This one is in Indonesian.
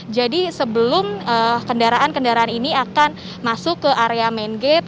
jadi sebelum kendaraan kendaraan ini akan masuk ke area main gate